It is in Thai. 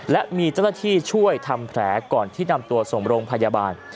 และมีเจ้าหน้าที่ช่วยทำแผลก่อนที่นำตัวส่งโรงพยาบาล